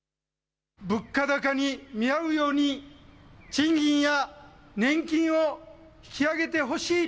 物価高に見合うように賃金や年金を引き上げてほしい。